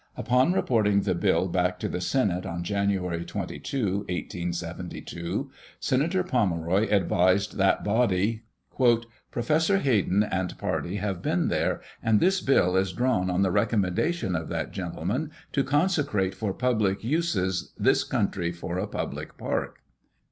Upon reporting the bill back to the Senate on January 22, 1872, Senator Pomeroy advised that body, "Professor Hayden and party have been there, and this bill is drawn on the recommendation of that gentleman to consecrate for public uses this country for a public park."